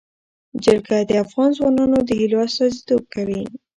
جلګه د افغان ځوانانو د هیلو استازیتوب کوي.